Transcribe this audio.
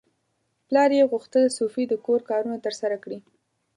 پلار یې غوښتل سوفي د کور کارونه ترسره کړي.